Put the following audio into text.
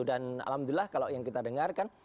dan alhamdulillah kalau yang kita dengar kan